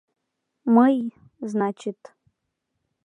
Мый, значит.